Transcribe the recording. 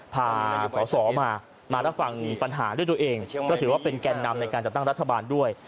พาสอสอมามารับฟังปัญหาด้วยตัวเองก็ถือว่าเป็นแก่นนำในการจัดตั้งรัฐบาลด้วย